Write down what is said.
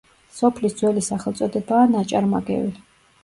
სოფლის ძველი სახელწოდებაა ნაჭარმაგევი.